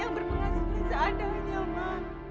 yang berpengaruh diri seadanya ma